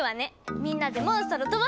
みんなでモンストロ飛ばすわよ！